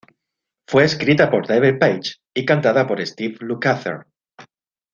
Fue escrita por David Paich y cantada por Steve Lukather.